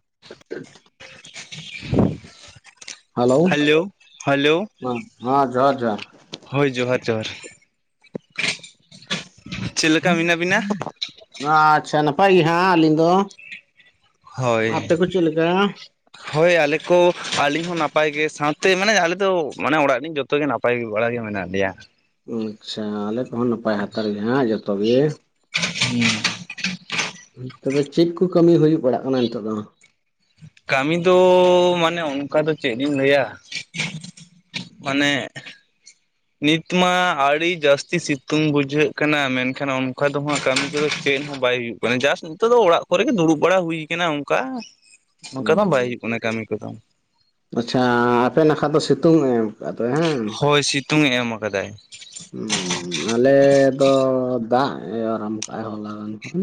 [unintelligible] [unintelligible] Hello ᱢᱟ ᱦᱟᱸ ᱡᱚᱦᱟᱨ ᱡᱚᱦᱟᱨ ᱦᱳᱭ ᱡᱚᱦᱟᱨ ᱡᱚᱦᱟᱨ ᱪᱮᱫ ᱞᱮᱠᱟ ᱢᱮᱱᱟᱜ ᱵᱤᱱᱟ ᱢᱟ ᱟᱪᱪᱷᱟ ᱱᱟᱯᱟᱭ ᱜᱤ ᱦᱟᱸ ᱟᱹᱞᱤᱧ ᱫᱚ ᱦᱳᱭ ᱟᱯᱮ ᱠᱚ ᱪᱮᱫ ᱞᱮᱠᱟ ᱦᱳᱭ ᱟᱞᱮ ᱠᱚ ᱟᱹᱞᱤᱧ ᱦᱚᱸ ᱱᱟᱯᱟᱭ ᱜᱮ ᱥᱟᱶᱛᱮ ᱢᱟᱱᱮ ᱟᱞᱮ ᱫᱚ ᱢᱟᱱᱮ ᱚᱲᱟᱜᱞᱤᱧ ᱡᱚᱛᱚ ᱡᱚᱛᱚ ᱜᱮ ᱱᱟᱯᱟᱭ ᱵᱟᱲᱟ ᱜᱮ ᱢᱮᱱᱟᱜ ᱞᱮᱭᱟ ᱟᱪᱪᱷᱟ ᱟᱞᱮ ᱠᱚᱦᱚᱸ ᱱᱟᱯᱟᱭ ᱦᱟᱛᱟᱲ ᱜᱮ ᱦᱟᱸᱜ ᱡᱚᱛᱚ ᱜᱮ [unintelligible] ᱛᱚᱵᱮ ᱪᱮᱫ ᱠᱩ ᱠᱟᱹᱢᱤ ᱦᱩᱭᱩᱜ ᱵᱟᱲᱟᱜ ᱠᱟᱱᱟ ᱱᱤᱛᱚᱜ ᱫᱚ ᱠᱟᱹᱢᱤ ᱫᱚ ᱢᱟᱱᱮ ᱚᱱᱠᱟ ᱫᱚ ᱪᱮᱫ ᱤᱧ ᱞᱟᱹᱭᱟ ᱢᱟᱱᱮ ᱱᱤᱛ ᱢᱟ ᱟᱹᱲᱤ ᱡᱟᱹᱥᱛᱤ ᱥᱤᱛᱩᱝ ᱵᱩᱡᱷᱟᱹᱜ ᱠᱟᱱᱟ ᱢᱮᱱᱠᱷᱟᱱ ᱚᱱᱠᱟ ᱫᱚ ᱦᱟᱜ ᱠᱟᱹᱢᱤ ᱛᱮᱫᱚ ᱪᱮᱫ ᱦᱚᱸ ᱵᱟᱭ ᱦᱩᱭᱩᱜ ᱠᱟᱱᱟ ᱢᱟᱱᱮ ᱡᱟᱥᱴ ᱱᱤᱛᱚᱜ ᱫᱚ ᱚᱲᱟᱜ ᱠᱚᱨᱮ ᱜᱮ ᱫᱩᱲᱩᱵ ᱵᱟᱲᱟ ᱦᱩᱭ ᱠᱟᱱᱟ ᱚᱱᱠᱟ ᱱᱚᱝᱠᱟ ᱫᱚ ᱵᱟᱭ ᱦᱩᱭᱩᱜ ᱠᱟᱱᱟ ᱠᱟᱹᱢᱤ ᱠᱚᱫᱚ ᱟᱪᱪᱷᱟ ᱟᱯᱮ ᱱᱟᱠᱷᱟ ᱫᱚ ᱥᱤᱛᱩᱝ ᱮ ᱮᱢ ᱟᱠᱟᱫ ᱦᱟᱝ ᱦᱳᱭ ᱥᱤᱛᱩᱝ ᱮ ᱮᱢ ᱟᱠᱟᱫᱟᱭ ᱦᱞᱩᱸ ᱟᱞᱮ ᱫᱚ ᱫᱟᱜ ᱮ ᱟᱨᱚᱢ ᱠᱟᱜᱟᱭ ᱦᱚᱞᱟ ᱜᱟᱱ ᱠᱷᱚᱱ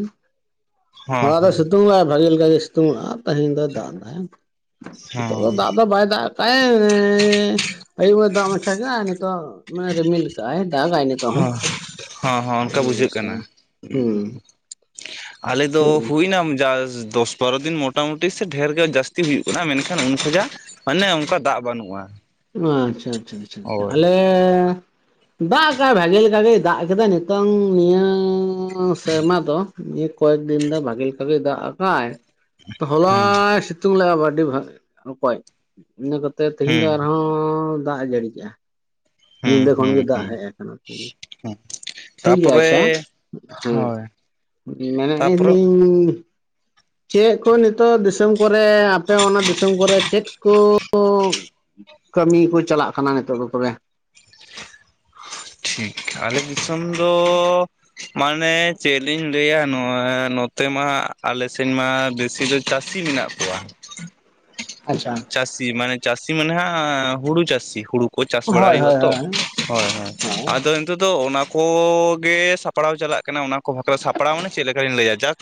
ᱦᱚᱸ [inaudible] ᱫᱚ ᱦᱚᱸ ᱥᱤᱛᱩᱝ ᱫᱟᱭ ᱵᱷᱟᱹᱜᱮ ᱞᱮᱠᱟ ᱜᱮ ᱥᱤᱛᱩᱝ ᱟᱼᱟ ᱛᱮᱦᱮᱧ ᱫᱚ ᱫᱟᱜ ᱫᱟᱭ ᱦᱚᱸ ᱱᱤᱛᱚᱜ ᱫᱚ ᱫᱟᱜ ᱫᱚ ᱵᱟᱭ ᱫᱟᱜ ᱠᱟᱜ ᱟᱭ [inaudible] ᱟᱭᱩᱵ ᱮ ᱫᱟᱜ ᱢᱪᱷᱟ ᱜᱮ ᱟᱭ ᱱᱤᱛ ᱨᱤᱢᱤᱞ ᱠᱟᱜ ᱟᱭ ᱫᱟᱜᱟᱭ [unintelligible] ᱦᱚᱸ ᱦᱚᱸ ᱚᱱᱠᱟ ᱚᱱᱟ ᱵᱩᱡᱷᱟᱹᱜ ᱚᱵᱚᱥᱛᱟ ᱠᱟᱱᱟ ᱦᱩᱸ ᱟᱞᱮ ᱫᱚ ᱴᱷᱤᱠ ᱜᱮᱭᱟ ᱦᱩᱭᱱᱟ ᱡᱟᱥᱴ ᱫᱚᱥ ᱵᱟᱨᱚ ᱫᱤᱱ ᱢᱚᱴᱟᱢᱩᱴᱤ ᱰᱷᱮᱨ ᱜᱮ ᱡᱟᱹᱥᱛᱤ ᱦᱩᱭᱩᱜ ᱠᱟᱱᱟ ᱢᱮᱱᱠᱷᱟᱱ ᱩᱱ ᱠᱷᱚᱱᱟᱜ ᱢᱟᱱᱮ ᱚᱱᱠᱟ ᱫᱟᱜ ᱵᱟᱹᱱᱩᱜᱼᱟ ᱚ ᱟᱪᱪᱷᱟ ᱟᱪᱪᱷᱟ ᱟ ᱦᱳᱭ ᱟᱞᱮ ᱫᱟᱜ ᱠᱟᱫ ᱵᱷᱟᱜᱮᱞᱮᱠᱟ ᱜᱮᱭ ᱫᱟᱜ ᱠᱮᱫᱟ ᱱᱤᱛᱚᱝ ᱱᱤᱭᱟᱹ ᱥᱮᱨᱢᱟ ᱫᱚ ᱱᱤᱭᱟᱹ ᱠᱚᱭᱮᱠ ᱫᱤᱱ ᱫᱚ ᱵᱷᱟᱜᱮ ᱞᱮᱠᱟᱜᱮᱭ ᱫᱟᱜ ᱟᱠᱟᱫᱟᱭ [unintelligible] ᱦᱚᱞᱟᱭ ᱥᱤᱛᱩᱝ ᱞᱮᱜᱼᱟ ᱟᱹᱰᱤ ᱵᱷᱟᱜᱮ ᱚᱠᱚᱭ ᱤᱱᱟᱹ ᱠᱚᱛᱮ ᱛᱮᱦᱮᱧ ᱫᱚ ᱦᱩᱸ ᱦᱚᱸ ᱫᱟᱜ ᱮ ᱡᱟᱹᱲᱤᱜᱼᱟ ᱦᱩᱸ ᱧᱤᱫᱟᱹ ᱠᱷᱚᱱ ᱦᱩᱸ ᱜᱮ ᱫᱟᱜ ᱦᱩᱸ ᱦᱮᱡ ᱠᱟᱱᱟ ᱦᱩᱸ [inaudible] ᱴᱷᱤᱠ ᱜᱮᱭᱟ ᱟᱪᱪᱷᱟ ᱛᱟᱯᱚᱨᱮ ᱦᱮᱸ ᱦᱳᱭ ᱢᱮᱱᱮᱫ ᱛᱟᱯᱚᱨᱮ ᱞᱤᱧ ᱪᱮᱫ ᱠᱚ ᱱᱤᱛᱚᱜ ᱫᱤᱥᱚᱢ ᱠᱚᱨᱮ ᱟᱯᱮ ᱚᱱᱟ ᱫᱤᱥᱚᱢ ᱠᱚᱨᱮ ᱪᱮᱫ ᱠᱚ ᱠᱟᱹᱢᱤ ᱠᱚ ᱪᱟᱞᱟᱜ ᱠᱟᱱᱟ ᱱᱤᱛᱚᱜ ᱫᱚ ᱛᱚᱵᱮ ᱴᱷᱤᱠ ᱟᱞᱮ ᱫᱤᱥᱚᱢ ᱫᱚ ᱢᱟᱱᱮ ᱪᱮᱫ ᱞᱤᱧ ᱞᱟᱹᱭᱟ ᱱᱚᱜ ᱱᱚᱛᱮ ᱢᱟ ᱦᱟᱸᱜ ᱟᱞᱮ ᱥᱮᱱ ᱢᱟ ᱵᱮᱥᱤ ᱫᱚ ᱪᱟᱥᱤ ᱢᱮᱱᱟᱜ ᱠᱚᱣᱟ ᱟᱪᱷᱟ ᱪᱟᱹᱥᱤ ᱢᱟᱱᱮ ᱪᱟᱹᱥᱤ ᱢᱟᱱᱮᱦᱟᱜ ᱦᱩᱲᱩ ᱪᱟᱹᱥᱤ ᱦᱩᱲᱩ ᱠᱚ ᱪᱟᱥ ᱵᱟᱲᱟ ᱦᱩᱭᱩᱜᱼᱟ ᱛᱚ ᱦᱳᱭ ᱦᱳᱭ ᱦᱚᱜᱼᱚᱭ ᱟᱫᱚ ᱱᱤᱛᱚᱜ ᱫᱚ ᱚᱱᱟ ᱠᱚᱜᱮ ᱥᱟᱯᱲᱟᱣ ᱪᱟᱞᱟᱜ ᱠᱟᱱᱟ ᱚᱱᱟ ᱠᱚ [inaudible] ᱥᱟᱯᱲᱟᱣ ᱢᱟᱱᱮ ᱪᱮᱜ ᱞᱮᱠᱟ ᱞᱤᱧ ᱞᱟᱹᱭᱟ ᱡᱟᱠ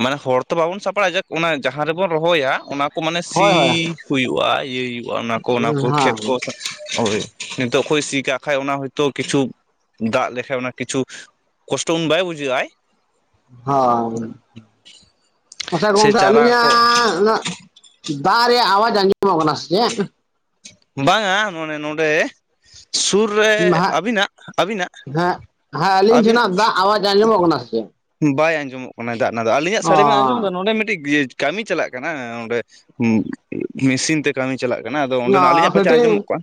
ᱢᱟᱱᱮ ᱦᱚᱲ ᱛᱚ ᱵᱟᱵᱚᱱ ᱥᱟᱯᱲᱟᱜᱼᱟ ᱡᱟᱠ ᱚᱱᱟ ᱡᱟᱦᱟᱸ ᱨᱮᱵᱚᱱ ᱨᱚᱦᱚᱭᱟ ᱚᱱᱟ ᱠᱚ ᱢᱟᱱᱮ ᱦᱳᱭ ᱥᱤ ᱦᱩᱭᱩᱜᱼᱟ ᱤᱭᱟᱹᱭ ᱦᱩᱭᱩᱜᱼᱟ ᱚᱱᱟ ᱠᱚ ᱚᱱᱟ ᱠᱚ ᱠᱷᱮᱛ ᱦᱮᱸ ᱠᱚ ᱦᱳᱭ ᱱᱤᱛᱚᱜ ᱠᱷᱚᱭ ᱥᱤ ᱠᱟᱜ ᱠᱷᱟᱭ ᱚᱱᱟ ᱦᱚᱭ ᱛᱚ ᱠᱤᱪᱷᱩ ᱫᱟᱜ ᱞᱮᱠᱷᱟᱡ ᱚᱱᱟ ᱠᱤᱪᱷᱩ ᱠᱚᱥᱴᱚ ᱩᱱ ᱵᱟᱭ ᱵᱩᱡᱷᱟᱹᱜ ᱟᱭ [unintelligible] ᱟᱪᱪᱷᱟ ᱥᱮ ᱜᱚᱝᱠᱮ ᱪᱟᱨᱟ ᱠᱚ ᱟᱹᱞᱤᱧᱟᱜ ᱫᱟᱜ ᱨᱮᱭᱟᱜ ᱟᱣᱟᱡᱽ ᱟᱸᱡᱚᱢᱚᱜ ᱠᱟᱱᱟ ᱥᱮ ᱪᱮᱫ ᱵᱟᱝᱟ ᱢᱟᱱᱮ ᱱᱚᱰᱮ ᱥᱩᱨ ᱨᱮ ᱦᱟᱸᱜ ᱟᱵᱤᱱᱟᱜ ᱟᱵᱤᱱᱟᱜ ᱦᱮᱸ ᱦᱮᱸ ᱟᱹᱞᱤᱧ ᱟᱵᱤᱱ ᱴᱷᱮᱱᱟᱜ ᱫᱟᱜ ᱟᱣᱟᱡ ᱟᱸᱡᱚᱢᱚᱜ ᱠᱟᱱᱟ ᱥᱮ ᱪᱮᱫ ᱵᱟᱭ ᱟᱸᱡᱚᱢᱚᱜ ᱠᱟᱱᱟ ᱫᱟᱜ ᱱᱟ ᱫᱚ ᱟᱹᱞᱤᱧᱟᱜ ᱚ ᱥᱟᱹᱲᱤ ᱵᱮᱱ ᱟᱸᱡᱚᱢᱫᱟ ᱱᱚᱰᱮ ᱢᱤᱫᱴᱤᱡ ᱠᱟᱹᱢᱤ ᱪᱟᱞᱟᱜ ᱠᱟᱱᱟ ᱚᱸᱰᱮ ᱢᱮᱥᱤᱱ ᱛᱮ ᱠᱟᱹᱢᱤ ᱪᱟᱞᱟᱜ ᱠᱟᱱᱟ ᱟᱫᱚ ᱾ ᱱᱚᱰᱮ ᱱᱟᱜ ᱟᱞᱤᱧᱟᱜ ᱯᱟᱪᱷᱮ ᱠᱟᱹᱴᱤᱡ ᱟᱸᱡᱚᱢᱚᱜ ᱠᱟᱱ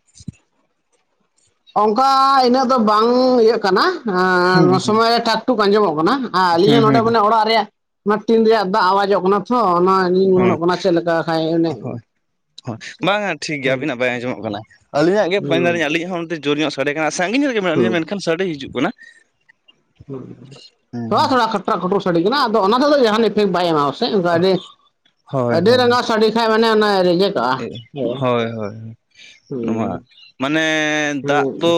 ᱚᱝᱠᱟ ᱤᱱᱟᱹᱜ ᱫᱚ ᱵᱟᱝ ᱤᱭᱟᱹᱜ ᱠᱟᱱᱟ ᱾ ᱦᱟᱸ ᱦᱩᱸ ᱱᱚᱣᱟ ᱦᱩᱸ ᱥᱩᱢᱚᱭ ᱴᱟᱠ ᱴᱩᱠ ᱟᱸᱡᱚᱢᱚᱜ ᱠᱟᱱᱟ ᱟᱨ ᱟᱹᱞᱤᱧ ᱦᱚᱸ ᱦᱩᱸ ᱱᱚᱰᱮ ᱦᱩᱸ ᱢᱟᱱᱮ ᱚᱲᱟᱜ ᱨᱮᱭᱟᱜ ᱱᱚᱣᱟ ᱴᱤᱱ ᱨᱮᱭᱟᱜ ᱫᱟᱜ ᱟᱣᱟᱡᱚᱜ ᱠᱟᱱᱟ ᱛᱷᱚ ᱚᱱᱟ ᱜᱤᱧ ᱜᱩᱱᱟᱹᱱᱚᱜ ᱦᱳᱭ ᱠᱟᱱᱟ ᱪᱮᱜ ᱞᱮᱠᱟ ᱠᱷᱟᱡᱽ ᱚᱱᱮ ᱦᱚ ᱵᱟᱝᱼᱟ ᱴᱷᱤᱠ ᱜᱮᱭᱟ ᱦᱩᱸ ᱟᱵᱤᱱᱟᱜ ᱵᱟᱭ ᱟᱸᱡᱚᱢᱚᱜ ᱠᱟᱱᱟ ᱟᱹᱞᱤᱧᱟᱜ ᱜᱮ [unintelligible] ᱦᱩᱸ ᱟᱹᱞᱤᱧᱟᱜ ᱦᱚᱸ ᱡᱳᱨ ᱧᱚᱜ ᱥᱟᱰᱮ ᱠᱟᱱᱟ ᱥᱟᱺᱜᱤᱧ ᱧᱚᱜ ᱨᱮᱜᱮ ᱢᱮᱱᱟᱜ ᱦᱩᱸ ᱞᱤᱧᱟ ᱢᱮᱱᱠᱷᱟᱱ ᱥᱟᱰᱮ ᱦᱤᱡᱩᱜ ᱠᱟᱱᱟ ᱾ ᱛᱷᱚᱲᱟ ᱛᱷᱚᱲᱟ ᱠᱷᱟᱴ ᱴᱟ ᱠᱷᱩᱴᱩᱨ ᱥᱟᱰᱮ ᱠᱟᱱᱟ ᱟᱫᱚ ᱚᱱᱟ [unintelligible] ᱡᱟᱦᱟᱸ ᱱᱤᱯ ᱴᱷᱤᱠ ᱵᱟᱭ ᱮᱢᱟ ᱥᱮᱜ ᱟᱹᱰᱤ ᱦᱳᱭ ᱟᱹᱰᱤ ᱦᱳᱭ ᱨᱟᱸᱜᱟᱣ ᱥᱟᱰᱤ ᱠᱷᱟᱭ ᱢᱟᱱᱮ ᱚᱱᱮ ᱨᱮᱡᱮᱠᱴ.. ᱦᱳᱭ ᱦᱳᱭ ᱱᱚᱣᱟ ᱦᱩᱸ ᱢᱟᱱᱮ ᱫᱟᱜ ᱫᱚ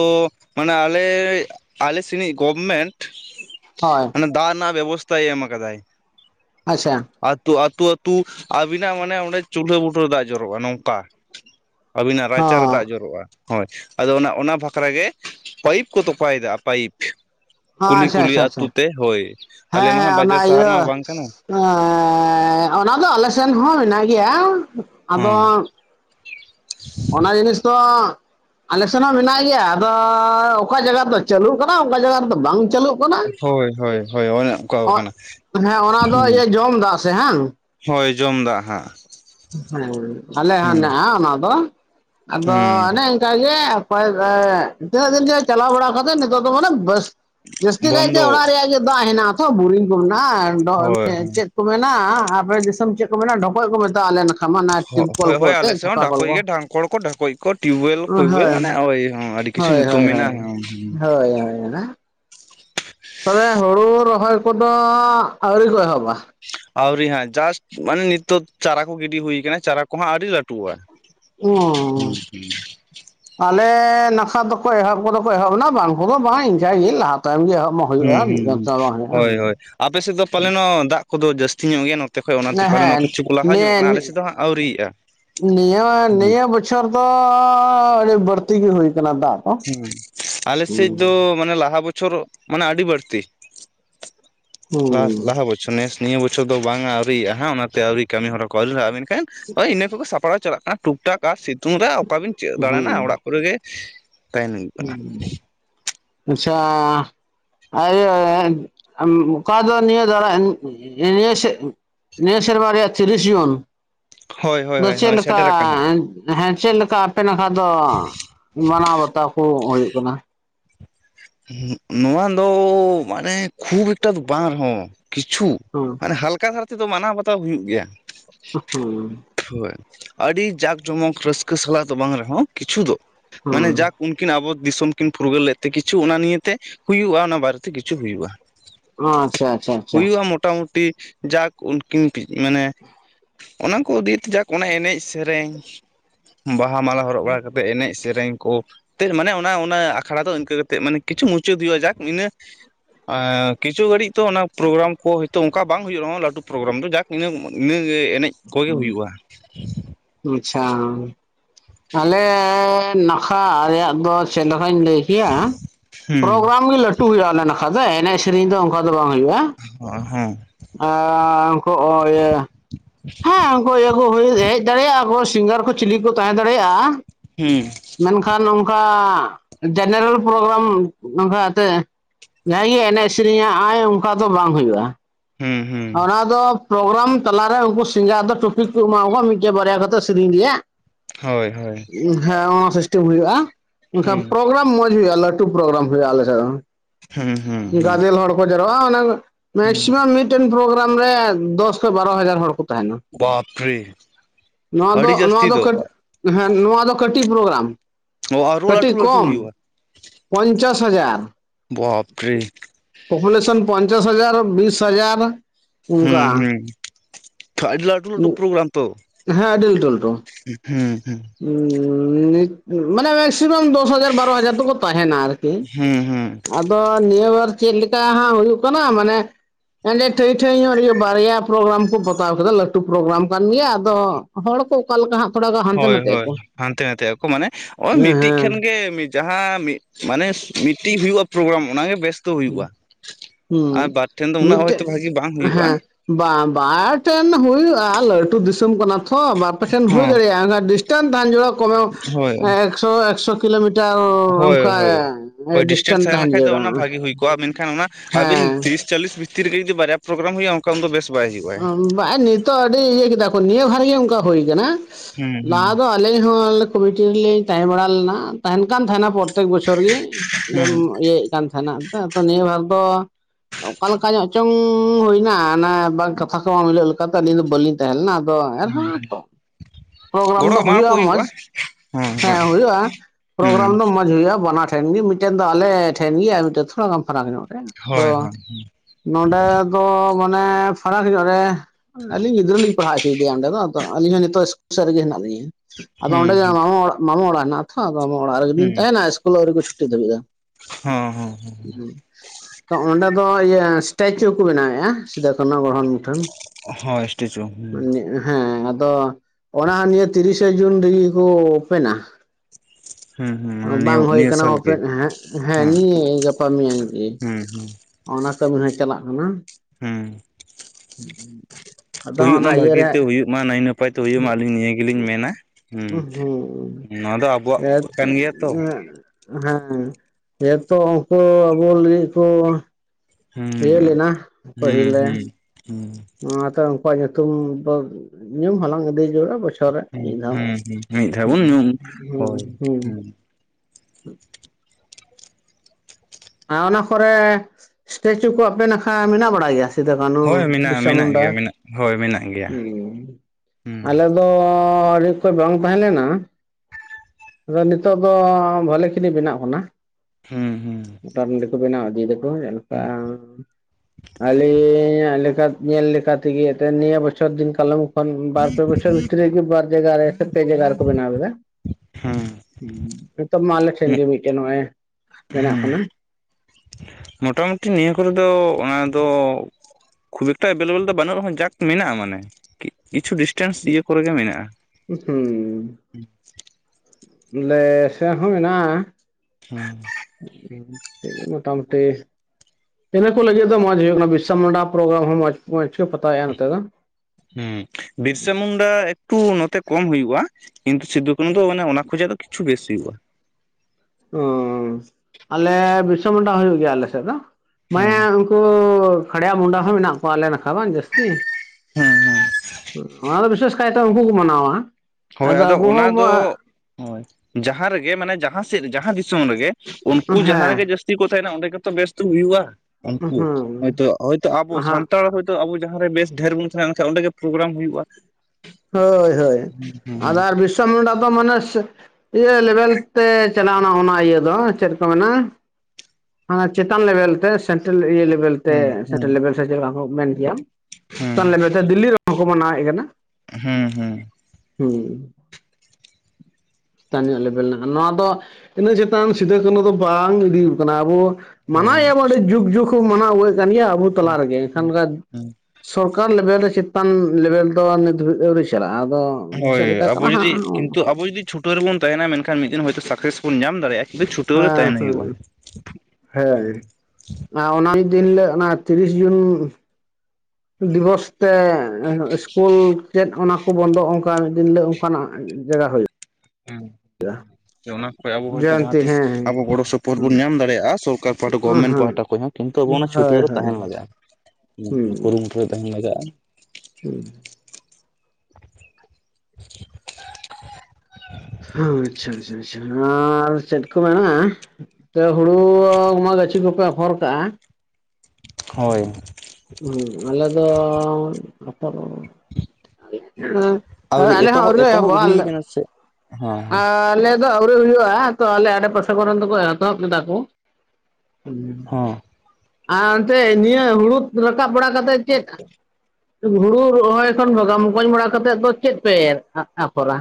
ᱢᱟᱱᱮ ᱟᱞᱮ ᱟᱞᱮ ᱥᱮᱱᱤᱡ ᱜᱚᱵᱢᱮᱱᱴ ᱦᱳᱭ ᱫᱟᱜ ᱱᱟ ᱵᱮᱵᱚᱥᱛᱷᱟ ᱮᱢ ᱠᱟᱫᱟᱭ ᱟᱪᱪᱷᱟ ᱟᱹᱛᱩ ᱟᱹᱛᱩ ᱟᱹᱛᱩ ᱟᱵᱤᱱᱟᱜ ᱢᱟᱱᱮ ᱚᱸᱰᱮ ᱪᱩᱞᱦᱳ ᱵᱩᱴᱟᱹ ᱫᱟᱜ ᱡᱚᱨᱚᱜᱼᱟ ᱱᱚᱝᱠᱟ ᱾ ᱟᱵᱤᱱᱟᱜ ᱨᱟᱪᱟᱨᱮ ᱫᱟᱜ ᱦᱚᱸ ᱡᱚᱨᱚᱜᱼᱟ ᱦᱳᱭ ᱟᱫᱚ ᱚᱱᱟ ᱚᱱᱟ ᱵᱟᱠᱷᱨᱟ ᱜᱮ ᱯᱟᱭᱤᱯ ᱠᱚ ᱛᱚᱯᱟᱭ ᱫᱟ ᱯᱟᱭᱤᱯ ᱾ ᱠᱩᱞᱤ ᱟᱪᱪᱷᱟ ᱠᱩᱞᱤ ᱟᱪᱪᱷᱟ ᱟᱪᱪᱷᱟ ᱟᱹᱛᱩ ᱛᱮ ᱦᱳᱭ ᱟᱞᱮ ᱦᱮᱸ ᱢᱟ ᱦᱟᱸᱜ ᱚᱱᱟ ᱵᱟᱡᱟᱨ ᱥᱟᱦᱟᱨ ᱤᱭᱟᱹ ᱢᱟ ᱵᱟᱝ ᱠᱟᱱᱟ ᱾ ᱦᱮᱸ ᱚᱱᱟ ᱫᱚ ᱟᱞᱮ ᱥᱮᱱ ᱦᱚᱸ ᱢᱮᱱᱟᱜ ᱜᱮᱭᱟ ᱟᱫᱚ ᱦᱚᱸ ᱚᱱᱟ ᱡᱤᱱᱤᱥ ᱫᱚ ᱟᱞᱮ ᱥᱮᱱ ᱦᱚᱸ ᱢᱮᱱᱟᱜ ᱜᱮᱭᱟ ᱟᱫᱚ ᱚᱠᱟ ᱡᱟᱭᱜᱟ ᱨᱮᱫᱚ ᱪᱟᱹᱞᱩ ᱠᱟᱱᱟ ᱚᱠᱟ ᱡᱟᱭᱜᱟ ᱨᱮᱫᱚ ᱵᱟᱝ ᱪᱟᱹᱞᱩᱜ ᱠᱟᱱᱟ ᱾ ᱦᱳᱭ ᱦᱳᱭ ᱦᱳᱭ ᱚᱱᱮᱜ ᱦᱮᱸ ᱚᱱᱟ ᱫᱚ ᱤᱭᱟᱹ ᱡᱚᱢ ᱫᱟᱜ ᱥᱮ ᱦᱟᱝ ᱦᱳᱭ ᱡᱚᱢ ᱫᱟᱜ ᱦᱟᱸᱜ ᱦᱮᱸ ᱟᱞᱮ ᱦᱚᱸ ᱦᱩᱸ ᱦᱮᱱᱟᱜᱼᱟ ᱚᱱᱟ ᱫᱚ ᱟᱫᱚ ᱦᱩᱸ ᱚᱱᱮᱭ ᱪᱟᱭᱜᱮ [unintelligible] ᱛᱤᱱᱟᱹᱜ ᱫᱤᱱ ᱪᱚᱭ ᱪᱟᱞᱟᱣ ᱵᱟᱲᱟ ᱠᱟᱛᱮ ᱱᱤᱛᱚᱜ ᱫᱚ ᱢᱟᱱᱮ ᱵᱟᱥ ᱡᱟᱹᱥᱛᱤ ᱠᱟᱭᱛᱮ ᱵᱚᱱᱫᱚ ᱚᱲᱟᱜ ᱨᱮᱭᱟᱜ ᱜᱮ ᱫᱟᱜ ᱦᱮᱱᱟᱜ ᱟ ᱛᱚ ᱵᱩᱨᱤᱝ ᱠᱚ ᱢᱮᱱᱟᱜᱼᱟ ᱦᱳᱭ ᱪᱮᱫ ᱢᱮᱱᱟᱜᱼᱟ ᱟᱯᱮ ᱫᱤᱥᱚᱢ ᱪᱮᱫ ᱠᱚ ᱢᱮᱱᱟ ᱰᱷᱚᱠᱚᱡ ᱠᱚ ᱢᱮᱛᱟᱜᱼᱟ ᱟᱞᱮ ᱱᱚᱜᱛᱮ ᱦᱚᱜ ᱦᱳᱭ ᱦᱳᱭ ᱟᱞᱮᱥᱮᱫ ᱦᱚᱸ ᱰᱟᱠᱚᱡ ᱜᱮ ᱰᱷᱟᱝᱠᱚᱲ ᱠᱚ ᱰᱷᱠᱚᱡ ᱠᱚ ᱴᱤᱭᱩᱵᱮᱞ ᱯᱷᱩᱭᱵᱮᱞ ᱦᱳᱭ ᱢᱟᱱᱮ ᱳᱭ ᱟᱹᱰᱤ ᱠᱤᱪᱷᱩ ᱦᱳᱭ ᱧᱩᱛᱩᱢ ᱦᱳᱭ ᱦᱳᱭ ᱢᱮᱱᱟᱜᱼᱟ‌ [unintelligible] ᱛᱚᱵᱮ ᱦᱳᱲᱳ ᱨᱚᱦᱚᱭ ᱠᱚᱫᱚ ᱟᱹᱣᱨᱤ ᱠᱚ ᱮᱦᱚᱵᱟ ᱟᱹᱣᱨᱤ ᱦᱟᱸᱜ ᱡᱟᱥᱟᱴ ᱢᱟᱱᱮ ᱱᱤᱛᱚᱛ ᱪᱟᱨᱟ ᱠᱚ ᱜᱤᱰᱤ ᱦᱩᱭᱠᱟᱱᱟ ᱪᱟᱨᱟ ᱠᱚ ᱦᱚ ᱟᱣᱨᱤ ᱞᱟᱹᱴᱩᱜᱼᱟ ᱦᱩᱸ [unintelligible] ᱟᱞᱮ ᱱᱟᱠᱷᱟ ᱫᱚᱠᱚ ᱮᱦᱚᱵ ᱠᱚᱫᱚ ᱠᱚ ᱮᱦᱚᱵ ᱮᱱᱟ ᱵᱟᱝ ᱠᱚᱫᱚ ᱵᱟᱝ ᱤᱝᱠᱟᱹ ᱜᱤ ᱞᱟᱦᱟ ᱛᱟᱭᱚᱢ ᱜᱮ ᱮᱦᱚᱵ ᱢᱚ ᱾ ᱦᱩᱭᱩᱜᱼᱟ ᱢᱤᱫ ᱫᱷᱟᱣ ᱪᱟᱵᱟ ᱦᱩᱭᱩᱜᱼᱟ ᱦᱮᱸ ᱟᱯᱮᱥᱮᱫ ᱫᱚ ᱯᱟᱞᱮᱱᱚ ᱫᱟᱜ ᱠᱚᱫᱚ ᱡᱟᱹᱥᱛᱤ ᱧᱚᱜ ᱜᱮᱭᱟ ᱱᱚᱝᱠᱟ ᱛᱮᱠᱷᱚᱡ ᱚᱱᱟᱛᱮ ᱯᱟᱞᱮ ᱦᱮᱸ ᱱᱚᱛᱮ ᱪᱩᱠᱞᱟᱦᱟ ᱧᱚᱜ ᱱᱤᱭᱟᱹ ᱠᱟᱱᱟ ᱟᱞᱮ ᱥᱮᱫ ᱫᱚ ᱦᱟᱸᱜ ᱟᱹᱣᱨᱤᱭᱟᱜ ᱟ ᱱᱤᱭᱟᱹ ᱱᱤᱭᱟᱹ ᱵᱚᱪᱷᱚᱨ ᱫᱚ ᱟᱹᱰᱤ ᱵᱟᱹᱲᱛᱤᱜ ᱜᱮ ᱦᱩᱭ ᱟᱠᱟᱱᱟ ᱫᱟᱜ ᱫᱚ ᱦᱮᱸ ᱟᱞᱮ ᱥᱮᱫ ᱫᱚ ᱢᱟᱱᱮ ᱞᱟᱦᱟ ᱵᱚᱪᱷᱚᱨ ᱢᱟᱱᱮ ᱟᱹᱰᱤ ᱵᱟᱹᱲᱛᱤ ᱞᱟ ᱦᱩᱸ ᱞᱟᱦᱟ ᱵᱚ ᱱᱮᱥ ᱱᱤᱭᱟᱹ ᱵᱚᱪᱷᱚᱨ ᱫᱚ ᱵᱟᱝ ᱟ ᱟᱹᱣᱨᱤᱜᱼᱟ ᱦᱟᱜ ᱚᱱᱟᱛᱮ ᱟᱹᱣᱨᱤ ᱠᱟᱹᱢᱤ ᱦᱚᱨᱟ ᱠᱚ ᱟᱹᱣᱨᱤ ᱞᱟᱜᱼᱟ ᱢᱮᱱᱠᱷᱟᱱ ᱦᱳᱭ ᱤᱱᱟᱹ ᱥᱟᱯᱲᱟᱣ ᱪᱟᱞᱟᱜ ᱠᱟᱱᱟ ᱴᱩᱠ ᱴᱟᱠ ᱟᱨ ᱥᱤᱛᱩᱝ ᱨᱮ ᱚᱠᱟ ᱵᱤᱱ ᱪᱮᱫ ᱫᱟᱲᱟᱬᱟᱱᱟ ᱦᱩᱸ ᱚᱲᱟᱜ ᱠᱚᱨᱮ ᱜᱮ ᱛᱟᱦᱮᱱ ᱦᱩᱭᱩᱜ ᱠᱟᱱᱟ ᱦᱩᱸ ᱟᱪᱪᱷᱟ ᱟ ᱚᱠᱟ ᱫᱚ ᱱᱤᱭᱟᱹ ᱫᱟᱨᱟ ᱱᱤᱭᱟᱹ ᱥᱮᱡ ᱱᱤᱭᱟᱹ ᱥᱮᱨᱢᱟ ᱨᱮᱭᱟᱜ ᱛᱤᱨᱤᱥ ᱡᱩᱱ ᱦᱳᱭ ᱦᱳᱭ ᱫᱚ ᱦᱳᱭ ᱪᱮᱫᱞᱮᱠᱟ ᱥᱮᱴᱮᱨ ᱟᱠᱟᱱᱟ ᱦᱮᱸ ᱪᱮᱫ ᱞᱮᱠᱟ ᱟᱯᱮ ᱱᱟᱠᱷᱟ ᱫᱚ ᱢᱟᱱᱟᱣ ᱵᱟᱛᱟᱣ ᱠᱚ ᱦᱩᱭᱩᱜ ᱠᱟᱱᱟ ᱱᱚᱣᱟ ᱫᱚ ᱢᱟᱱᱮ ᱠᱷᱩᱵ ᱮᱠᱴᱟ ᱫᱚ ᱵᱟᱝ ᱨᱮᱦᱚᱸ ᱠᱤᱪᱷᱩ ᱦᱩᱸ ᱢᱟᱱᱮ ᱦᱟᱞᱠᱟ ᱫᱷᱟᱨᱮ ᱛᱮᱫᱚ ᱢᱟᱱᱟᱣ ᱵᱟᱛᱟᱣ ᱦᱩᱭᱩᱜ ᱜᱮᱭᱟ᱾ ᱦᱩᱸ ᱦᱳᱭ ᱟᱹᱰᱤ ᱡᱟᱠ ᱡᱚᱢᱚᱠ ᱨᱟᱹᱥᱠᱟᱹ ᱥᱟᱞᱟᱜ ᱫᱚ ᱵᱟᱝ ᱨᱮᱦᱚᱸ ᱠᱤᱪᱷᱩ ᱫᱚ ᱢᱟᱱᱮ ᱡᱟᱠ ᱩᱱ ᱩᱱᱠᱤᱱ ᱟᱵᱚ ᱫᱤᱥᱚᱢ ᱠᱤᱱ ᱯᱷᱩᱨᱜᱟᱹᱞ ᱞᱮᱫ ᱛᱮ ᱠᱤᱪᱷᱩ ᱚᱱᱟ ᱱᱤᱭᱮᱛᱮ ᱦᱩᱭᱩᱜᱼᱟ ᱚᱱᱟ ᱵᱟᱨᱮᱛᱮ ᱠᱤᱪᱷᱩ ᱦᱩᱭᱩᱜᱼᱟ ᱚ ᱟᱪᱪᱷᱟ ᱟᱪᱪᱷᱟ ᱟᱪᱷᱟ ᱦᱩᱭᱩᱜᱼᱟ ᱢᱚᱴᱟᱢᱩᱴᱤ ᱡᱟᱠ ᱩᱱᱠᱤᱱ ᱢᱟᱱᱮ ᱚᱱᱟ ᱠᱚ ᱫᱤᱭᱟᱛᱮ ᱡᱟᱠ ᱚᱱᱟ ᱮᱱᱮᱡ ᱥᱮᱨᱮᱧ ᱵᱟᱦᱟ ᱢᱟᱞᱟ ᱦᱚᱨᱚᱜ ᱵᱟᱲᱟ ᱠᱟᱛᱮᱫ ᱮᱱᱮᱡ ᱥᱮᱨᱮᱧ ᱠᱚ ᱢᱟᱱᱮ ᱚᱱᱟ ᱚᱱᱟ ᱟᱠᱷᱲᱟ ᱫᱚ ᱤᱱᱠᱟᱹ ᱛᱮᱜ ᱢᱟᱱᱮ ᱠᱤᱪᱷᱩ ᱢᱩᱪᱟᱹᱫ ᱦᱩᱭᱩᱜᱼᱟ ᱡᱟᱠ ᱤᱱᱟᱹ ᱠᱤᱪᱷᱩ ᱜᱷᱟᱹᱲᱤᱡ ᱛᱚ ᱚᱱᱟ ᱯᱨᱳᱜᱨᱟᱢ ᱠᱚ ᱦᱳᱭᱛᱳ ᱚᱱᱠᱟ ᱵᱟᱝ ᱦᱩᱭᱩᱜ ᱨᱮᱦᱚᱸ ᱞᱟᱹᱴᱩ ᱯᱨᱳᱜᱨᱟᱢ ᱫᱚ ᱡᱟᱠ ᱤᱱᱟᱹ ᱤᱱᱟᱹᱜᱮ ᱮᱱᱮᱡ ᱠᱚᱜᱮ ᱦᱩᱭᱩᱜᱼᱟ᱾ ᱟᱪᱪᱷᱟ ᱟᱞᱮ ᱱᱟᱠᱷᱟ ᱨᱮᱭᱟᱜ ᱫᱚ ᱪᱮᱫ ᱞᱮᱠᱟᱧ ᱞᱟᱹᱭ ᱠᱮᱭᱟ᱾ ᱦᱩᱸ ᱯᱨᱳᱜᱨᱟᱢ ᱜᱮ ᱞᱟᱴᱩ ᱦᱩᱭᱩᱜᱼᱟ ᱟᱞᱮ ᱱᱟᱠᱷᱟ ᱫᱚ ᱮᱱᱮᱡ ᱥᱮᱨᱮᱧ ᱫᱚ ᱚᱱᱠᱟ ᱫᱚ ᱵᱟᱝ ᱦᱩᱭᱩᱜᱼᱟ᱾ ᱚ ᱦᱮᱸ ᱟᱨ ᱩᱱᱠᱩ ᱤᱭᱟᱹ ᱦᱮᱸ ᱩᱱᱠᱩ ᱤᱭᱟ ᱠᱚ ᱦᱮᱡ ᱫᱟᱲᱮᱭᱟᱜᱼᱟ ᱠᱚ ᱥᱤᱝᱜᱟᱨ ᱠᱚ ᱪᱤᱞᱤ ᱠᱚ ᱛᱟᱦᱮᱸ ᱫᱟᱲᱮᱭᱟᱜᱼᱟ᱾ ᱦᱮᱸ ᱢᱮᱱᱠᱷᱟᱱ ᱱᱚᱝᱠᱟ ᱡᱮᱱᱟᱨᱮᱞ ᱯᱨᱳᱜᱨᱟᱢ ᱱᱚᱝᱠᱟ ᱮᱱᱛᱮᱫ ᱡᱟᱦᱟᱸᱭ ᱜᱮ ᱮᱱᱮᱡ ᱥᱮᱨᱮᱧᱟᱭ ᱚᱱᱠᱟ ᱫᱚ ᱵᱟᱝ ᱦᱩᱭᱩᱜᱼᱟ᱾ ᱦᱮᱸ ᱦᱮᱸ ᱚᱱᱟ ᱫᱚ ᱯᱨᱳᱜᱨᱟᱢ ᱛᱟᱞᱟᱨᱮ ᱩᱱᱠᱩ ᱥᱤᱝᱜᱟᱨ ᱫᱚ ᱴᱚᱯᱤᱠ ᱠᱚ ᱮᱢᱟᱣᱟ ᱠᱚᱣᱟ ᱢᱤᱫᱴᱮᱱ ᱵᱟᱨᱭᱟ ᱠᱟ ᱠᱟᱛᱮᱫ ᱥᱮᱨᱮᱧ ᱨᱮᱭᱟᱜ᱾ ᱦᱳᱭ ᱦᱳᱭ ᱦᱮᱸ ᱚᱱᱟ ᱥᱤᱥᱴᱮᱢ ᱦᱩᱭᱩᱜᱭᱼᱟ ᱮ ᱦᱩᱸ ᱢᱮᱱᱠᱷᱟᱱ ᱯᱨᱳᱜᱨᱟᱢ ᱢᱚᱸᱡ ᱦᱳᱭᱳᱜᱼᱟ ᱞᱟᱴᱩ ᱯᱨᱳᱜᱨᱟᱢ ᱦᱳᱭᱳᱜ ᱟᱞᱮᱥᱮᱫ ᱫᱚ ᱦᱮᱸ ᱜᱟᱫᱮᱞ ᱦᱚᱲ ᱠᱚ ᱡᱟᱣᱨᱣᱟᱜᱼᱟ ᱦᱩᱸ ᱢᱮᱠᱥᱤᱢᱟᱢ ᱢᱤᱫᱴᱮᱱ ᱯᱨᱳ ᱜᱨᱟᱢ ᱨᱮ ᱫᱚᱥ ᱠᱷᱚᱱ ᱵᱟᱨᱚ ᱦᱟᱡᱟᱨ ᱦᱚᱲ ᱠᱚ ᱛᱟᱦᱮᱱᱟ᱾ ᱵᱟᱯᱨᱮ ᱱᱚᱣᱟ ᱫᱚ ᱟᱹᱰᱤ ᱱᱚᱣᱟ ᱡᱟᱹᱥᱛᱤ ᱫᱚ ᱠᱟᱹᱴ ᱦᱮᱸ ᱱᱚᱣᱟ ᱫᱚ ᱠᱟᱹᱴᱤᱡ ᱯᱨᱳᱜᱨᱟᱢ ᱚ ᱟᱨ ᱨᱚ ᱞᱟᱹᱴᱩ ᱠᱟᱹᱴᱤᱡ ᱞᱟᱹᱴᱩ ᱠᱚᱢ ᱦᱩᱭᱩᱜᱼᱟ᱾ ᱯᱚᱧᱪᱟᱥ ᱦᱟᱡᱟᱨ ᱵᱟᱯ ᱨᱮ ᱯᱩᱯᱩᱞᱮᱥᱚᱱ ᱯᱚᱸᱧᱪᱟᱥ ᱦᱟᱡᱟᱨ ᱵᱤᱥ ᱦᱟᱡᱟᱨ ᱚᱱᱠᱟ ᱦᱮᱸ ᱦᱮᱸ ᱟᱹᱰᱤ ᱞᱟᱹᱴᱩ ᱞᱟᱹᱴᱩ ᱦᱮᱸ ᱯᱨᱳᱜᱨᱟᱢ ᱛᱚ ᱟᱹᱰᱤ ᱞᱟᱹᱴᱩ ᱞᱟᱹᱴᱩ ᱦᱮᱸ ᱦᱮᱸ ᱢᱟᱱᱮ ᱢᱮᱠᱥᱤᱢᱟᱢ ᱫᱚᱥ ᱦᱟᱡᱟᱨ ᱵᱟᱨᱚ ᱦᱟᱡᱟᱨ ᱫᱚᱠᱚ ᱛᱟᱦᱮᱱᱟ ᱟᱨᱠᱤ ᱦᱩᱸ ᱦᱩᱸ ᱟᱫᱚ ᱱᱤᱭᱟᱹ ᱵᱟᱨ ᱪᱮᱫ ᱞᱮᱠᱟ ᱦᱟᱸᱜ ᱦᱩᱭᱩᱜ ᱠᱟᱱᱟ᱾ᱢᱟᱱᱮ ᱮᱸᱰᱮ ᱴᱷᱟᱹᱭ ᱴᱷᱟᱹᱭ ᱧᱚᱜ ᱵᱟᱨᱭᱟ ᱯᱨᱳᱜᱨᱟᱢ ᱠᱚ ᱯᱚᱛᱟᱣ ᱠᱟᱫᱟ ᱞᱟᱹᱴᱩ ᱯᱨᱳᱜᱨᱟᱢ ᱠᱟᱱ ᱜᱮᱭᱟ ᱟᱫᱚ ᱦᱚᱲ ᱠᱚ ᱚᱠᱟ ᱞᱮᱠᱟ ᱦᱟᱸᱜ ᱛᱷᱚᱲᱟ ᱦᱟᱱᱛᱮ ᱦᱳᱭ ᱱᱟ ᱦᱳᱭ ᱦᱟᱱᱛᱮ ᱱᱟᱛᱮ ᱟᱠᱚ ᱢᱟᱱᱮ ᱚᱭ ᱦᱮᱸ ᱢᱤᱫᱴᱤᱡ ᱦᱮᱸ ᱠᱷᱮᱱ ᱜᱮ ᱡᱟᱦᱟᱸ ᱢᱟᱱᱮ ᱢᱤᱫᱴᱤᱡ ᱦᱩᱭᱩᱜᱼᱟ ᱯᱨᱳᱜᱨᱟᱢ ᱚᱱᱟᱜᱮ ᱵᱮᱥ ᱛᱚ ᱦᱩᱭᱩᱜᱼᱟ ᱦᱩᱸ ᱟᱨ ᱵᱟᱨ ᱴᱷᱮᱱ ᱫᱚ ᱩᱱᱟᱹᱜ ᱦᱚᱭ ᱢᱤᱫᱴᱮᱡ ᱛᱚ ᱵᱷᱟᱹᱜᱤ ᱵᱟᱝ ᱦᱩᱭᱩᱜᱼᱟ᱾ ᱦᱮᱸ ᱵᱟᱝ ᱵᱟᱨ ᱴᱷᱮᱱ ᱦᱩᱭᱩᱜᱼᱟ ᱞᱟᱹᱴᱩ ᱫᱤᱥᱚᱢ ᱠᱟᱱᱟ ᱛᱚ ᱵᱟᱨᱯᱮ ᱴᱷᱮᱱ ᱦᱩᱭ ᱦᱚᱸ ᱫᱟᱲᱮᱭᱟᱜᱼᱟ ᱫᱷᱟᱱ ᱡᱳᱲᱟ ᱠᱚᱫᱚ ᱦᱳᱭ ᱮᱠᱥᱚ ᱮᱠᱥᱚ ᱠᱤᱞᱳᱢᱤᱴᱟᱨ ᱦᱳᱭ ᱚᱱᱠᱟ ᱦᱳᱭ ᱦᱳᱭ ᱰᱤᱥᱴᱮᱱ ᱰᱤᱥᱴᱮᱱᱥ ᱛᱟᱦᱮᱸ ᱛᱟᱦᱮᱱ ᱞᱮᱱᱠᱷᱟᱡ ᱫᱚ ᱚᱱᱟ ᱵᱷᱟᱜᱤ ᱦᱩᱭ ᱢᱮᱱᱠᱷᱟᱱ ᱚᱱᱟ ᱟᱵᱤᱱ ᱦᱮᱸ ᱛᱤᱨᱤᱥ ᱪᱚᱞᱞᱤᱥ ᱵᱷᱤᱛᱤᱨ ᱨᱮ ᱜᱮ ᱡᱩᱫᱤ ᱵᱟᱨᱭᱟ ᱯᱨᱳᱜᱨᱟᱢ ᱦᱩᱭᱩᱜᱼᱟ ᱚᱱᱠᱟ ᱩᱱᱫᱚ ᱵᱮᱥ ᱵᱟᱭ ᱦᱩᱭᱩᱜᱼᱟ᱾ ᱵᱟᱝ ᱱᱤᱛᱚᱜ ᱟᱹᱰᱤ ᱤᱭᱟᱹ ᱠᱮᱫᱟ ᱠᱚ ᱱᱤᱭᱟᱹ ᱵᱷᱟᱨ ᱜᱮ ᱚᱱᱠᱟ ᱦᱩᱭ ᱟᱠᱟᱱᱟ ᱦᱩᱸ ᱦᱩᱸ ᱞᱟᱦᱟ ᱫᱚ ᱟᱹᱞᱤᱧ ᱦᱚᱸ ᱠᱚᱢᱤᱴᱤ ᱨᱮᱞᱤᱤᱧ ᱛᱟᱦᱮᱸ ᱵᱟᱲᱟ ᱞᱮᱱᱟ ᱛᱟᱦᱮᱱ ᱠᱟᱱ ᱛᱟᱦᱮᱱᱟ ᱯᱨᱚᱛᱛᱮᱠ ᱵᱚᱪᱷᱚᱨ ᱜᱮ ᱦᱩᱸ [inaudible] ᱤᱭᱟᱹ ᱛᱮᱱᱟ ᱱᱤᱭᱟᱹ ᱵᱷᱟᱨ ᱫᱚ ᱚᱠᱟ ᱞᱮᱠᱟ ᱧᱚᱜᱪᱚᱝ ᱦᱩᱭᱱᱟ ᱚᱱᱟ ᱠᱟᱛᱷᱟ ᱠᱚ ᱵᱟᱝ ᱦᱤᱞᱳᱜ ᱫᱚ ᱟᱹᱞᱤᱧ ᱫᱚ ᱵᱟᱹᱞᱤᱧ ᱛᱟᱦᱮᱸ ᱞᱮᱱᱟ ᱟᱫᱚ ᱦᱩᱸ ᱮᱱᱦᱚᱸᱛᱚ ᱯᱨᱳᱜᱨᱟᱢ ᱫᱚ ᱜᱚᱲᱚ ᱮᱢᱟᱠᱚ ᱦᱩᱭᱩᱜᱼᱟ ᱢᱚᱸᱡᱽ ᱦᱮᱸ ᱦᱩᱭᱩᱜᱼᱟ᱾ ᱦᱩᱸ ᱯᱨᱳᱜᱨᱟᱢ ᱫᱚ ᱢᱚᱸᱡᱽ ᱦᱩᱭᱩᱜᱼᱟ ᱵᱟᱱᱟᱨ ᱴᱷᱮᱱ ᱜᱮ ᱢᱤᱫᱴᱮᱱ ᱫᱚ ᱟᱞᱮ ᱴᱷᱮᱱ ᱜᱮᱴ ᱛᱷᱚᱲᱟ ᱜᱟᱱ ᱯᱷᱟᱨᱟᱠ ᱧᱚᱜ ᱨᱮ ᱟᱫᱚ ᱦᱳᱭ ᱦᱳᱭ ᱱᱚᱸᱰᱮ ᱫᱚ ᱢᱟᱱᱮ ᱯᱷᱟᱨᱟᱠ ᱧᱚᱜ ᱨᱮ ᱟᱹᱞᱤᱧ ᱜᱤᱫᱽᱨᱟᱹ ᱞᱤᱧ ᱯᱟᱲᱦᱟᱣ ᱦᱚᱪᱚᱭᱮᱫᱮᱭᱟ ᱚᱸᱰᱮ ᱫᱚ ᱟᱹᱞᱤᱧ ᱦᱚᱸ ᱱᱤᱛᱚᱜ ᱤᱥᱠᱩᱞ ᱥᱮᱫ ᱨᱮᱜᱮ ᱦᱮᱱᱟᱜ ᱞᱤᱧᱟᱹ ᱟᱫᱚ ᱦᱩᱸ ᱚᱸᱰᱮ ᱜᱮ ᱦᱩᱸ ᱢᱟᱢᱚ ᱚᱟᱜ ᱢᱟᱢᱟ ᱚᱲᱟᱜ ᱦᱮᱱᱟᱜᱼᱟ ᱦᱚᱸ ᱵᱟᱝᱢᱟ ᱚᱲᱟᱜ ᱨᱮᱜᱮᱞᱤᱧ ᱦᱩᱸ ᱛᱟᱦᱮᱱᱟ ᱤᱥᱠᱩᱞ ᱟᱹᱣᱨᱤ ᱠᱚ ᱪᱷᱩᱴᱤ ᱫᱷᱟᱹᱵᱤᱡᱟ ᱦᱚᱸ ᱦᱚᱸ ᱛᱚ ᱚᱸᱰᱮ ᱫᱚ ᱤᱭᱟᱹ ᱮᱥᱴᱮᱪᱩ ᱠᱚ ᱵᱮᱱᱟᱣᱮᱫᱼᱟ ᱥᱤᱫᱩ ᱠᱟᱹᱦᱩ ᱜᱚᱲᱦᱚᱱ ᱢᱩᱴᱷᱟᱹᱱ ᱦᱚ ᱮᱥᱴᱮᱪᱩ ᱦᱩᱸ ᱦᱮᱸ ᱟᱫᱚ ᱚᱱᱟ ᱱᱤᱭᱟᱹ ᱛᱤᱨᱤᱥᱮ ᱡᱩᱱ ᱨᱮᱜᱤ ᱠᱩ ᱚᱯᱮᱱᱟ ᱦᱩᱸ ᱦᱩᱸ ᱢᱟᱱᱮ ᱱᱤᱭᱟᱹ ᱵᱟᱝ ᱦᱩᱭ ᱱᱤᱭᱟᱹ ᱠᱟᱱᱟ ᱥᱟᱞ ᱜᱮ ᱚᱯᱮᱱ, ᱦᱮᱸ ᱱᱤᱭᱟᱹ ᱜᱟᱯᱟ ᱢᱮᱭᱟᱝ ᱜᱤ ᱦᱩᱸ ᱦᱩᱸ ᱚᱱᱟ ᱠᱟᱹᱢᱤ ᱦᱚᱭ ᱪᱟᱞᱟᱜ ᱠᱟᱱᱟ ᱦᱩᱸ [unintelligible] ᱟᱫᱚ ᱦᱩᱭᱩᱜ ᱚᱱᱟ ᱢᱟ ᱤᱭᱟᱹ ᱵᱷᱟᱹᱜᱤ ᱨᱮ [inaudible] ᱛᱮ ᱦᱩᱭᱩᱜ ᱢᱟ ᱱᱟᱭ ᱱᱟᱯᱟᱭ ᱛᱮ ᱦᱩᱭᱩᱜ ᱢᱟ ᱟᱹᱞᱤᱧ ᱱᱤᱭᱟᱹ ᱜᱮᱞᱤᱧ ᱢᱮᱱᱟ ᱦᱩᱸ ᱱᱚᱣᱟ ᱫᱚ ᱟᱵᱚᱣᱟᱜ ᱠᱟᱱ ᱜᱮᱭᱟ ᱛᱚ [unintelligible] ᱦᱮᱸ ᱡᱮᱦᱤᱛᱚ ᱩᱱᱠᱩ ᱟᱵᱚ ᱞᱟᱹᱜᱤᱫ ᱠᱚ ᱤᱭᱟᱹ [unintelligible] ᱞᱮᱱᱟ ᱦᱩᱸ ᱯᱟᱹᱦᱤᱞ ᱨᱮ ᱦᱩᱸ ᱦᱩᱸ ᱚᱱᱟᱛᱮ ᱩᱱᱠᱩᱣᱟᱜ ᱧᱩᱛᱩᱢ ᱫᱚ ᱧᱩᱢ ᱦᱟᱞᱟᱝ ᱤᱫᱤ [unintelligible] [unintelligible] ᱨᱮ ᱢᱤᱫ ᱦᱩᱸ ᱦᱩᱸ ᱫᱷᱟᱣ ᱦᱩᱸ ᱢᱤᱫ ᱫᱷᱟᱣ ᱵᱚᱱ ᱧᱩᱢ ᱦᱩᱸ ᱦᱩᱸ ᱟ ᱚᱱᱟ ᱠᱚᱨᱮ ᱥᱴᱮᱪᱩ ᱠᱚ ᱟᱯᱮ ᱱᱟᱠᱷᱟ ᱢᱮᱱᱟᱜ ᱵᱟᱲᱟ ᱜᱮᱭᱟ ᱥᱤᱫᱩ ᱠᱟᱱᱩ ᱦᱳᱭ ᱢᱮᱱᱟᱜᱼᱟ ᱵᱤᱨᱥᱟ ᱢᱮᱱᱟᱜ ᱢᱩᱱᱰᱟ ᱜᱮᱭᱟ ᱢᱮᱱᱟᱜ ᱦᱳᱭ ᱢᱮᱱᱟᱜ ᱜᱮᱭᱟ ᱦᱩᱸ ᱦᱩᱸ ᱟᱞᱮ ᱫᱚ ᱟᱹᱰᱤ ᱩᱛᱟᱹᱨ ᱵᱟᱝ ᱛᱟᱦᱮᱸ ᱞᱮᱱᱟ ᱟᱫᱚ ᱱᱤᱛᱚᱜ ᱫᱚ ᱵᱷᱟᱞᱮ ᱠᱷᱤᱱᱤ ᱵᱮᱱᱟᱜ ᱠᱟᱱᱟ ᱦᱩᱸ ᱦᱩᱸ ᱢᱚᱴᱟᱢᱩᱴᱤ ᱵᱮᱱᱟᱣ ᱤᱫᱤ ᱫᱟᱠᱚ ᱡᱮᱞᱮᱠᱟ ᱦᱩᱸ ᱟᱞᱤᱧᱟ ᱧᱮᱞ ᱞᱮᱠᱟ ᱛᱮᱜᱮ ᱮᱛᱮ ᱱᱤᱭᱟᱹ ᱵᱚᱪᱷᱚᱨ ᱫᱤᱱ ᱠᱟᱞᱚᱢ ᱵᱟᱨ ᱯᱮ ᱵᱚᱪᱚᱨ ᱵᱷᱤᱛ ᱨᱮ ᱜᱮ ᱵᱟᱨ ᱡᱟᱭᱜᱟ ᱨᱮ ᱥᱮ ᱯᱮ ᱡᱟᱭᱜᱟ ᱨᱮ ᱠᱚ ᱵᱮᱱᱟᱣᱮ ᱠᱟᱫᱟ ᱦᱩᱸ ᱱᱤᱛᱚᱜ ᱢᱟ ᱟᱞᱮ ᱴᱷᱮᱱ ᱢᱩᱜ ᱜᱮ ᱢᱤᱫᱴᱮᱱ ᱱᱚᱜᱼᱚᱭ ᱵᱮᱱᱟᱜ ᱠᱟᱱᱟ ᱢᱳᱚᱴᱟᱢᱩᱴᱤ ᱱᱤᱭᱟᱹ ᱠᱚᱨᱮ ᱫᱚ ᱚᱱᱟ ᱫᱚ ᱠᱷᱩᱵ ᱮᱠᱴᱟ ᱮᱵᱮᱞᱮᱵᱮᱞ ᱫᱚ ᱵᱟᱹᱱᱩᱜ ᱨᱮᱦᱚᱸ ᱡᱟᱠ ᱢᱮᱱᱟᱜᱼᱟ ᱢᱟᱱᱮ ᱠᱤᱪᱷᱩ ᱰᱤᱥᱴᱮᱱᱥ ᱤᱭᱟᱹ ᱠᱚᱨᱮ ᱜᱮ ᱢᱮᱱᱟᱜᱼᱟ [unintelligible] ᱟᱞᱮ ᱥᱮ ᱦᱚᱸ ᱢᱮᱱᱟᱜᱼᱟ ᱦᱩᱸ [inaudible] ᱢᱳᱴᱟᱢᱩᱴᱤ ᱤᱱᱟᱹ ᱠᱚ ᱞᱟᱹᱜᱤᱫ ᱫᱚ ᱢᱚᱡᱽ ᱦᱩᱭᱩᱜ ᱠᱟᱱᱟ ᱵᱤᱨᱤᱥᱥᱟ ᱢᱩᱱᱰᱟ ᱯᱨᱳᱜᱨᱟᱢ ᱦᱚᱸ ᱢᱚᱡᱽ ᱢᱚᱡᱽ ᱜᱮ ᱯᱟᱛᱟᱭᱟ ᱱᱚᱛᱮ ᱫᱚ ᱦᱩᱸ ᱵᱤᱨᱥᱟ ᱢᱩᱱᱰᱟ ᱮᱠᱴᱩ ᱱᱚᱛᱮ ᱠᱚᱢ ᱦᱩᱭᱩᱜᱼᱟ᱾ ᱠᱤᱱᱛᱩ ᱥᱤᱫᱫᱩ ᱠᱟᱹᱱᱦᱩ ᱫᱚ ᱢᱟᱱᱮ ᱚᱱᱟ ᱠᱷᱚᱡᱟᱜ ᱫᱚ ᱠᱤᱪᱷᱩ ᱵᱮᱥ ᱦᱩᱭᱩᱜᱼᱟ᱾ ᱚ ᱟᱞᱮ ᱵᱤᱨᱥᱟᱹ ᱢᱩᱱᱰᱟ ᱦᱩᱭᱩᱜ ᱜᱮᱭᱟ ᱟᱞᱮ ᱥᱮᱫ ᱫᱚ ᱢᱟᱱᱮ ᱦᱩᱸ ᱠᱷᱟᱲᱭᱟ ᱢᱩᱱᱰᱟ ᱦᱚᱸ ᱢᱮᱱᱟᱜ ᱠᱚᱣᱟ ᱟᱞᱮ ᱱᱟᱠᱷᱟ ᱵᱟᱝ ᱡᱟᱹᱥᱛᱤ ᱦᱮᱸ ᱦᱮᱸ ᱚᱱᱟ ᱫᱚ ᱵᱤᱥᱮᱥ ᱠᱟᱭ ᱛᱮ ᱩᱱᱠᱩ ᱠᱚ ᱢᱟᱱᱟᱣᱟ ᱦᱳᱭ ᱟᱫᱚ ᱟᱵᱚ ᱦᱚᱸ ᱚᱱᱟ ᱫᱚ ᱦᱳᱭ ᱡᱟᱦᱟᱸ ᱨᱮ ᱜᱮ ᱢᱟᱱᱮ ᱡᱟᱦᱟᱸ ᱥᱮᱫ ᱡᱟᱦᱟᱸ ᱫᱤᱥᱚᱢ ᱨᱮ ᱜᱮ ᱩᱱᱠᱩ ᱡᱟᱦᱟᱸ ᱨᱮ ᱦᱮᱸ ᱜᱮ ᱡᱟᱹᱥᱛᱤ ᱡᱟᱹᱛᱤ ᱠᱚ ᱛᱟᱦᱮᱱᱟ ᱚᱸᱰᱮ ᱜᱮ ᱛᱚ ᱡᱟᱹᱥᱛᱤ ᱦᱩᱭᱩᱜᱼᱟ ᱩᱱᱠᱩ ᱦᱩᱸ ᱦᱚᱭᱛᱚ ᱦᱚᱭᱛᱳ ᱟᱵᱚ ᱦᱟᱸᱜ ᱥᱟᱱᱛᱟᱲ ᱛ ᱟᱵᱚ ᱡᱟᱦᱟᱸ ᱨᱮ ᱵᱮᱥ ᱰᱷᱮᱨ ᱵᱚᱱ ᱛᱟᱦᱮᱱᱟ ᱮᱱᱠᱷᱟᱱ ᱚᱸᱰᱮ ᱜᱮ ᱯᱨᱳᱜᱨᱟᱢ ᱦᱩᱭᱩᱜᱼᱟ ᱦᱳᱭ ᱦᱳᱭ ᱦᱩᱸ ᱟᱵᱟᱨ ᱵᱤᱨᱥᱟ ᱢᱩᱱᱰᱟ ᱫᱚ ᱢᱟᱱᱮ [unintelligible] ᱤᱭᱟᱹ ᱞᱮᱵᱮᱞ ᱛᱮ ᱪᱟᱞᱟᱣᱱᱟ ᱚᱱᱟ ᱤᱭᱟᱹ ᱫᱚ ᱪᱮᱫ [unintelligible] ᱪᱮᱛᱟᱱ ᱞᱮᱵᱮᱞ ᱛᱮ ᱥᱮᱴᱮ ᱞᱮᱵᱮᱞ ᱛᱮ ᱦᱩᱸ ᱥᱮᱴᱮ ᱦᱩᱸ ᱞᱮᱵᱮᱞ [unintelligible] ᱫᱤᱞᱞᱤ ᱨᱮᱦᱚᱸ ᱠᱚ ᱢᱟᱱᱟᱣᱮᱫ ᱠᱟᱱᱟ ᱦᱮᱸ ᱦᱮᱸ ᱦᱩᱸ [inaudible] ᱪᱮᱛᱟᱱ ᱧᱚ ᱞᱮᱵᱮᱞ ᱦᱮᱱᱟᱜᱼᱟ ᱱᱚᱣᱟ ᱫᱚ ᱤᱱᱟᱹᱜ ᱪᱮᱛᱟᱱ ᱥᱤᱫᱩ ᱠᱟᱹᱱᱦᱩ ᱫᱚ ᱵᱟᱝ ᱤᱫᱤ ᱠᱟᱱᱟ ᱟᱵᱚ ᱢᱟᱱᱟᱣ ᱮᱫ ᱟᱵᱚ ᱟᱹᱰᱤ ᱡᱩᱜᱽ ᱡᱩᱜᱽ ᱠᱷᱚᱱ ᱦᱚᱸ ᱢᱟᱱᱟᱣ ᱟᱹᱜᱩᱮᱫ ᱠᱟᱱ ᱜᱮᱭᱟ ᱟᱵᱚ ᱛᱟᱞᱟᱨ ᱨᱮᱜᱮ ᱮᱱᱠᱷᱟᱱ ᱦᱩᱸ ᱥᱚᱨᱠᱟᱨ ᱞᱮᱵᱮᱞ ᱨᱮ ᱪᱮᱛᱟᱱ ᱞᱮᱵᱮᱞ ᱫᱚ ᱱᱤᱛ ᱫᱷᱟᱹᱵᱤᱡ ᱟᱣᱨᱤ ᱪᱟᱞᱟᱜᱼᱟ ᱟᱫᱚ ᱦᱳᱭ ᱪᱮᱫ ᱞᱮᱠᱟ ᱟᱵᱚ ᱠᱟᱱᱟ ᱡᱩᱫᱤ ᱦᱟᱸᱜ ᱠᱤᱱᱛᱩ ᱟᱵᱩᱡᱩᱫᱤ ᱪᱷᱩᱴᱟᱹᱣ ᱨᱮᱵᱚᱱ ᱛᱟᱦᱮᱱᱟ ᱢᱮᱱᱠᱷᱟᱱ ᱢᱤᱫ ᱫᱤᱱ ᱦᱳᱭ ᱛᱳ ᱥᱟᱠᱥᱮᱥ ᱵᱚᱱ ᱧᱟᱢ ᱫᱟᱲᱮᱭᱟᱜᱼᱟ ᱪᱷᱩᱴᱟᱹᱣ ᱨᱮ ᱦᱮᱸ ᱛᱟᱦᱮᱱ ᱦᱩᱭᱩᱜᱼᱟ ᱦᱮᱸ ᱦᱮᱸ ᱚᱱᱟ ᱢᱤᱫ ᱫᱤᱱ ᱦᱤᱞᱳᱜ ᱚᱱᱟ ᱛᱤᱨᱤᱥᱮ ᱡᱩᱱ [inaudible] ᱫᱤᱵᱚᱥ ᱛᱮ ᱤᱥᱠᱩᱞ ᱪᱮᱫ ᱚᱱᱟ ᱠᱚ ᱵᱚᱱᱫᱚᱜ ᱚᱱᱠᱟ ᱢᱤᱫ ᱫᱤᱱ ᱦᱤᱞᱳᱜ ᱚᱱᱠᱟᱱᱟᱜ ᱡᱟᱭᱜᱟ ᱦᱩᱭ [inaudible] ᱦᱮᱸ [unintelligible] ᱥᱮ ᱚᱱᱟ ᱠᱷᱚᱱ ᱟᱵᱚ ᱦᱚᱭᱛᱳ ᱡᱟᱦᱟᱸ ᱡᱚᱭᱚᱱᱛᱤ ᱛᱤᱥ ᱦᱮᱸ ᱟᱵᱚ ᱜᱚᱲᱚ ᱥᱚᱯᱚᱦᱚᱫ ᱵᱚᱱ ᱦᱮᱸ ᱧᱟᱢ ᱫᱟᱲᱮᱭᱟᱜᱼᱟ ᱥᱚᱨᱠᱟᱨ ᱯᱟᱦᱟ ᱦᱮᱸ ᱜᱚᱵᱷᱢᱮᱱᱴ ᱯᱟᱦᱟᱴᱟ ᱠᱷᱚᱱ ᱦᱚᱸ ᱠᱤᱱᱛᱩ ᱟᱵᱚ ᱚᱱᱟ ᱦᱳᱭ ᱪᱷᱩᱴᱟᱹᱣ ᱨᱮ ᱦᱳᱭ ᱛᱟᱦᱮᱱ ᱞᱟᱜᱟᱜᱼᱟ ᱠᱩᱨᱩ ᱢᱩᱴᱩ ᱨᱮ ᱛᱟᱦᱮᱱ ᱞᱟᱜᱟᱜᱼᱟ ᱦᱮᱸ [inaudible] ᱦᱮ ᱟᱪᱪᱷᱟ ᱟᱪᱪᱷᱟ ᱟᱪᱷᱟ ᱟᱨ ᱪᱮᱫ ᱠᱚ ᱢᱮᱱᱟᱜᱼᱟ ᱦᱩᱲᱩ ᱢᱟ ᱜᱟᱹᱪᱷᱤ ᱠᱚ ᱯᱮ ᱟᱯᱷᱚᱨ ᱠᱟᱜᱼᱟ ᱦᱳᱭ ᱦᱩᱸ ᱟᱞᱮ ᱫᱚ ᱟ ᱟᱹᱣᱨᱤ ᱟᱞᱮ ᱦᱚᱸ ᱮᱛᱚᱦᱚᱵ ᱟᱣᱨᱤ ᱞᱮ ᱮᱛᱚᱦᱚᱵ ᱮᱦᱚᱵᱟ ᱦᱩᱭ ᱠᱟᱱᱟ ᱥᱮ ᱦᱮᱸ ᱦᱮᱸ ᱟᱞᱮ ᱫᱚ ᱟᱹᱣᱨᱤ ᱦᱩᱭᱩᱜᱼᱟ, ᱛᱚ ᱟᱞᱮ ᱟᱰᱮ ᱯᱟᱥᱮ ᱠᱚᱨᱮᱱ ᱫᱚ ᱠᱚ ᱮᱛᱚᱦᱚᱵ ᱠᱮᱫᱟ ᱠᱚ ᱦᱮᱸ ᱟᱨ ᱮᱱᱛᱮ ᱱᱤᱭᱟᱹ ᱦᱩᱲᱩ ᱨᱟᱠᱟᱵ ᱵᱟᱲᱟ ᱠᱟᱛᱮ ᱪᱮᱫ ᱦᱩᱲᱩ ᱨᱚᱦᱚᱭ ᱠᱷᱚᱱ ᱵᱟᱜᱟᱢ ᱢᱚᱡᱽ ᱵᱟᱲᱟ ᱠᱟᱛᱮᱫ ᱫᱚ ᱪᱮᱫ ᱯᱮ ᱟᱯᱷᱚᱨᱟ